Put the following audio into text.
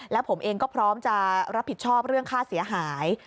และผมเองก็พร้อมจะรับผิดชอบเรื่องค่าเสียหาย